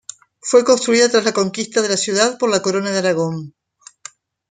Fue construida tras la conquista de la ciudad por la Corona de Aragón.